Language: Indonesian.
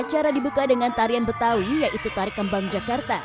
acara dibuka dengan tarian betawi yaitu tari kembang jakarta